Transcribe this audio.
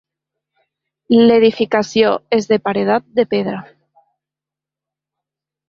L'edificació és de paredat de pedra.